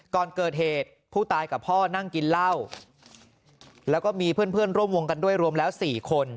ก่อนเกิดเหตุผู้ตายกับพ่อนั่งกินเหล้าแล้วก็มีเพื่อนร่วมวงกันด้วยรวมแล้ว๔คน